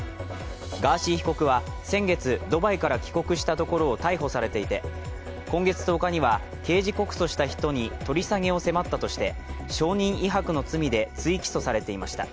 ガーシー被告は先月、ドバイから帰国したところを逮捕されていて今月１０日には刑事告訴した人に取り下げを迫ったとして